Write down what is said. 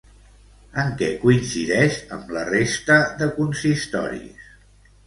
En què coincideix amb la resta de consistoris?